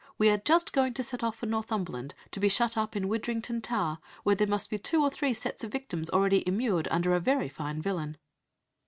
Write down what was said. We are just going to set off for Northumberland to be shut up in Widdrington Tower, where there must be two or three sets of victims already immured under a very fine villain."